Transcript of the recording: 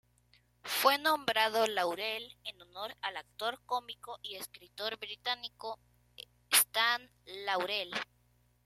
Fue nombrado Laurel en honor al actor cómico y escritor británico Stan Laurel.